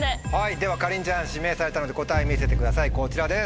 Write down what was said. ではかりんちゃん指名されたので答え見せてくださいこちらです。